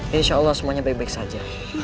insyaallah semuanya baik baik saja